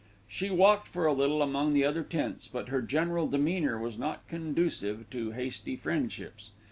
She walked for a little among the other tents; but her general demeanour was not conducive to hasty friendships.